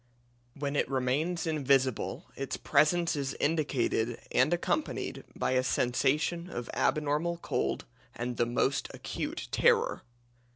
When it remains invisible its presence is indicated and accompanied by a sensation of abnormal cold and the most acute terror.